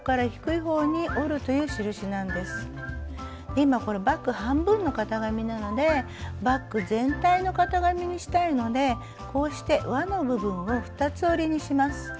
今バッグ半分の型紙なのでバッグ全体の型紙にしたいのでこうして「わ」の部分を二つ折りにします。